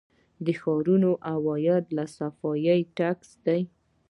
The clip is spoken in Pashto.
د ښاروالۍ عواید له صفايي ټکس دي